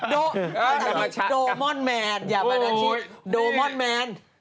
เดี๋ยวอย่ามาดัชชี่ดโมนแมน